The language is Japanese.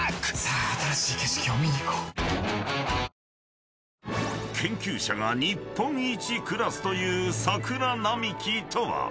ニトリ［研究者が日本一クラスという桜並木とは？］